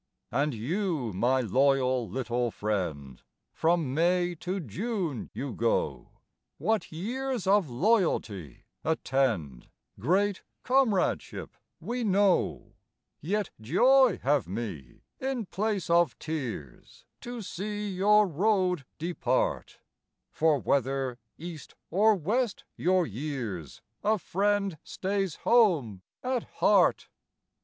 And you, my loyal little friend, (From May to June you go), What years of loyalty attend Great comradeship we know; Yet joy have me in place of tears To see your road depart, For whether east or west your years, A friend stays home at heart.